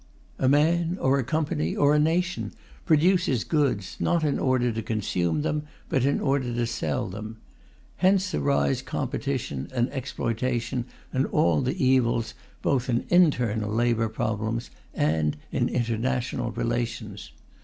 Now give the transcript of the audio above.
A man or a company or a nation produces goods, not in order to consume them, but in order to sell them. Hence arise competition and exploitation and all the evils, both in internal labour problems and in international relations.